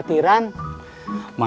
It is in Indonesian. hai nah kak